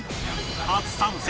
初参戦